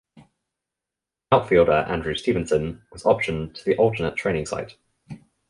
Outfielder Andrew Stevenson was optioned to the alternate training site.